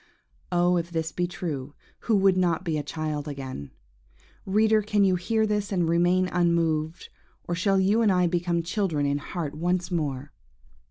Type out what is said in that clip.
Oh, if this be true, who would not be a child again? Reader, can you hear this and remain unmoved, or shall you and I become children in heart once more?